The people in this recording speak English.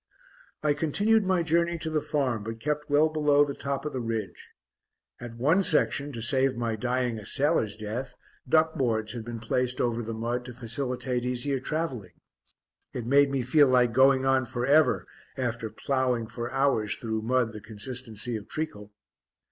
I continued my journey to the farm, but kept well below the top of the ridge. At one section, to save my dying a sailor's death, duck boards had been placed over the mud to facilitate easier travelling. It made me feel like going on for ever, after ploughing for hours through mud the consistency of treacle.